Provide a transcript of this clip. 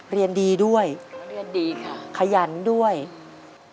เรียนดีด้วยขยันด้วยเรียนดีค่ะ